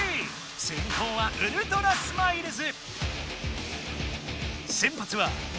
先攻はウルトラスマイルズ。